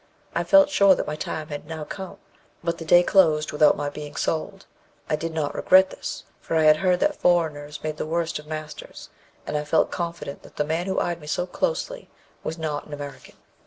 I felt sure that my time had now come, but the day closed without my being sold. I did not regret this, for I had heard that foreigners made the worst of masters, and I felt confident that the man who eyed me so closely was not an American.